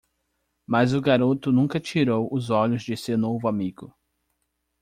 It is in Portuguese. Mas o garoto nunca tirou os olhos de seu novo amigo.